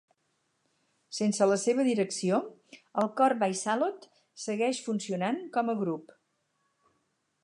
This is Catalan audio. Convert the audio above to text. Sense la seva direcció, el cor Voissalot segueix funcionant com a grup.